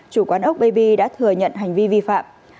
chủ quán ốc bab đã thừa nhận hành vi vi phạm